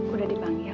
udah dipanggil ya